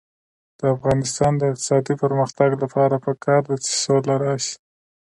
د افغانستان د اقتصادي پرمختګ لپاره پکار ده چې سوله راشي.